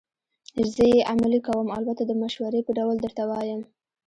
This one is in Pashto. زه یې عملي کوم، البته د مشورې په ډول درته وایم.